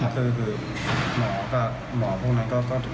คือหมอกับหมอพวกนั้นก็